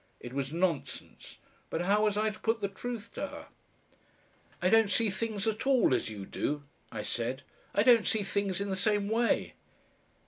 It was nonsense. But how was I to put the truth to her? "I don't see things at all as you do," I said. "I don't see things in the same way."